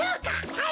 はい！